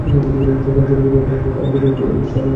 সন্তানের জননী হব আমি, যখন আমি বৃদ্ধা এবং এই আমার স্বামী বৃদ্ধ।